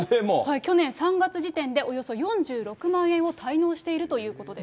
去年３月時点でおよそ４６万円を滞納しているということです。